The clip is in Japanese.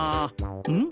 うん？